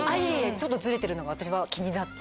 ちょっとズレてるのが私は気になって。